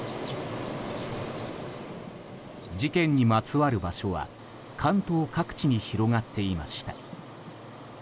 事件にまつわる場所は関東各地に広がっていました。